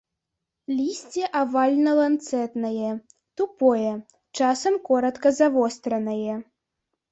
Лісце авальна-ланцэтнае, тупое, часам коратка завостранае.